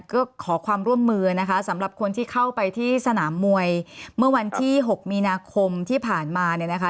ก็ขอความร่วมมือนะคะสำหรับคนที่เข้าไปที่สนามมวยเมื่อวันที่๖มีนาคมที่ผ่านมาเนี่ยนะคะ